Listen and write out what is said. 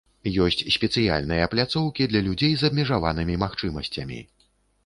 Ёсць спецыяльныя пляцоўкі для людзей з абмежаванымі магчымасцямі.